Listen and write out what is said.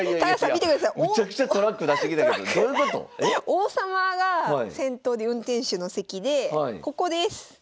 王様が先頭で運転手の席でここです。